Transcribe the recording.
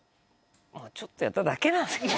ちょっとやっただけなんだけど。